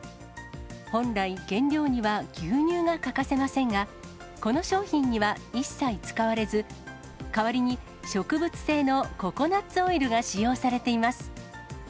本来、原料には牛乳が欠かせませんが、この商品には一切使われず、代わりに植物性のココナッツオイルが使用されています。